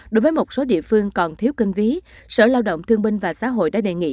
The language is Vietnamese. đối với một số địa phương còn thiếu kinh phí sở lao động thương binh và xã hội đã đề nghị